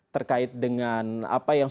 terkait dengan apa yang